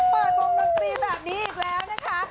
เปิดวงดนตรีแบบนี้อีกแล้วนะคะ